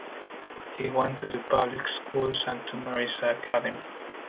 He went to the public schools and to Marissa Academy.